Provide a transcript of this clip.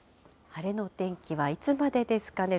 晴れのお天気はいつまでですかね。